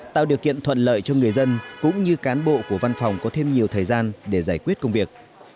tạo điều kiện thuận lợi cho người dân cũng như cán bộ của văn phòng có thêm nhiều thời gian để giải quyết công việc